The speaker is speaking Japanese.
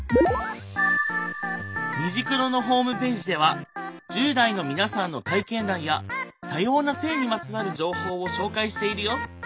「虹クロ」のホームページでは１０代の皆さんの体験談や多様な性にまつわる情報を紹介しているよ。